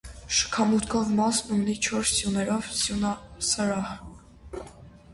Շքամուտքով մասն ունի չորս սյուներով սյունասրահ։